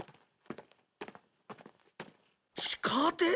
「地下鉄」！？